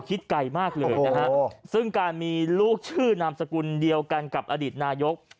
ไกลมากเลยนะฮะซึ่งการมีลูกชื่อนามสกุลเดียวกันกับอดีตนายก